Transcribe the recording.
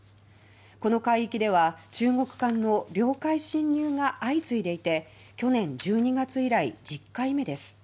この海域では中国艦の領海侵入が相次いでいて去年１２月以来、１０回目です。